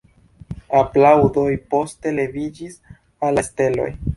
Aplaŭdoj poste leviĝis al la steloj.